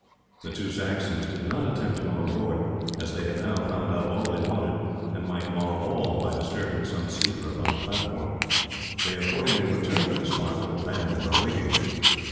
The two Saxons did not attempt to go on board, as they had now found out all they wanted, and might mar all by disturbing some sleeper upon the platform. They accordingly returned to the spot where the band were awaiting them.